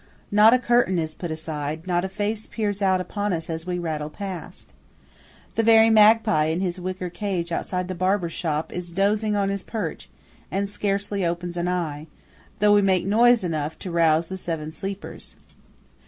Not a curtain is put aside, not a face peers out upon us as we rattle past. The very magpie in his wicker cage outside the barber's shop is dozing on his perch, and scarcely opens an eye, though we make noise enough to rouse the Seven Sleepers.